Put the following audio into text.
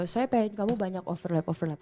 saya pengen kamu banyak overlap overlap